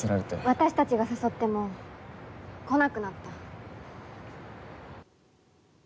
私たちが誘っても来なくなった。